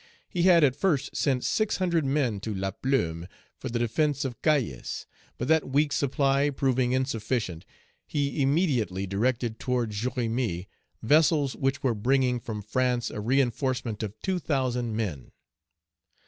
He had at first sent six hundred men to Laplume for the defence of Cayes; but that weak supply proving insufficient, he immediately directed toward Jérémie vessels which were bringing from France a reinforcement of two thousand men.